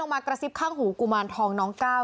มากระซิบข้างหูกุมารทองน้องก้าว